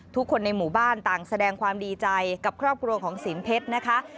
ทุกคนในหมู่บ้านต่างแสดงความดีใจกับครอบครัวของศีลเพชรนะคะ